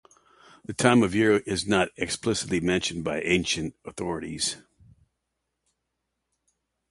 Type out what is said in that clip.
The time of year is not explicitly mentioned by ancient authorities.